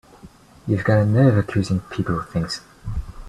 You've got a nerve accusing people of things!